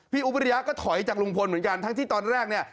อุ๊บวิริยะก็ถอยจากลุงพลเหมือนกันทั้งที่ตอนแรกเนี่ย